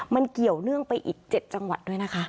มันเกี่ยวเนื่องไปอีก๗จังหวัดด้วยนะคะ